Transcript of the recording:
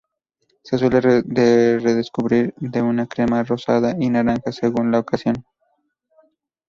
Se suele recubrir de una crema rosada o naranja, según la ocasión.